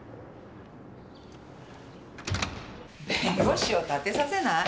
弁護士を立てさせない？